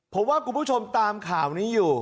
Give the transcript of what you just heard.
ผมว่าคุณผู้ชมตามข่าวนี้อยู่